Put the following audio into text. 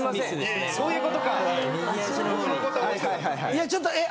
いやちょっとえっ？